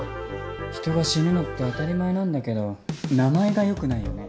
人が死ぬのって当たり前なんだけど名前が良くないよね。